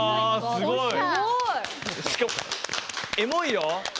すごいな。